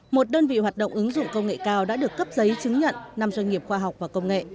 một đơn vị hoạt động ứng dụng công nghệ cao đã được cấp giấy chứng nhận năm doanh nghiệp khoa học và công nghệ